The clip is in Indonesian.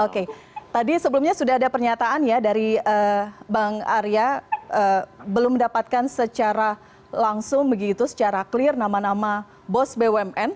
oke tadi sebelumnya sudah ada pernyataan ya dari bang arya belum mendapatkan secara langsung begitu secara clear nama nama bos bumn